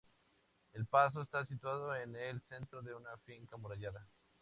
El Pazo está situado en el centro de una finca amurallada.